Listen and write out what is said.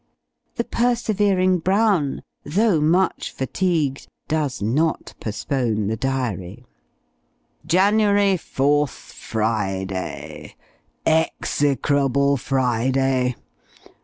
The persevering Brown, though much fatigued, does not postpone the Diary: "January 4_th_, Friday Execrable Friday!